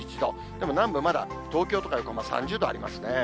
でも南部はまだ、東京とか横浜３０度ありますね。